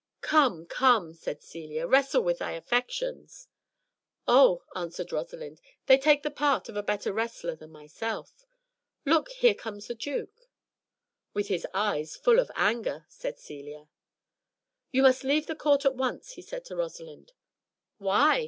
"Come, come," said Celia, "wrestle with thy affections." "Oh," answered Rosalind, "they take the part of a better wrestler than myself. Look, here comes the duke." "With his eyes full of anger," said Celia. "You must leave the court at once," he said to Rosalind. "Why?"